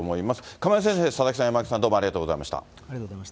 亀井先生、佐々木さん、山脇さん、ありがとうございました。